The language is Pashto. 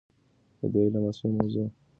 د دې علم اصلي موضوع زموږ د خپل رفتار مطالعه ده.